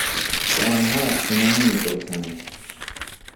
که آنها از شما نمی پرسند.